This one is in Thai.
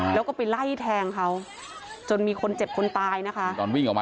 แล้วก็ไปไล่แทงเขาจนมีคนเจ็บคนตายนะคะ